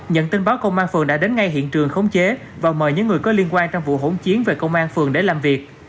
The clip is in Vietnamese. nhận tin báo công an phường đã đến ngay hiện trường khống chế và mời những người có liên quan trong vụ hỗn chiến về công an phường để làm việc